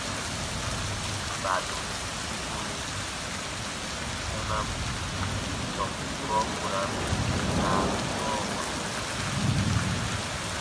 Baatɔn sikuru sanam tɔn kurɔ u ra n sire kaaru sɔɔwa.